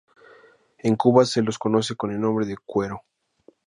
En Cuba se los conoce con el nombre de cuero.